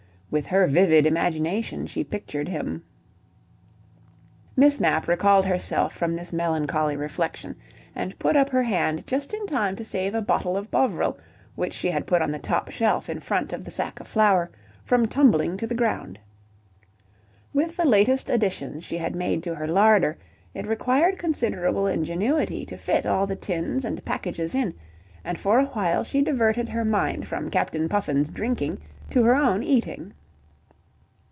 With her vivid imagination she pictured him Miss Mapp recalled herself from this melancholy reflection and put up her hand just in time to save a bottle of Bovril which she had put on the top shelf in front of the sack of flour from tumbling to the ground. With the latest additions she had made to her larder, it required considerable ingenuity to fit all the tins and packages in, and for a while she diverted her mind from Captain Puffin's drinking to her own eating.